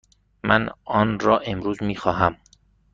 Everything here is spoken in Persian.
من آن را امروز می خواهم.